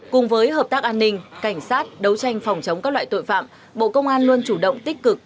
cùng với hợp tác an ninh cảnh sát đấu tranh phòng chống các loại tội phạm bộ công an luôn chủ động tích cực